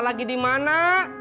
bapak lagi di mana